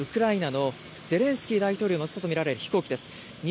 ウクライナのゼレンスキー大統領を乗せたと見られる飛行機です。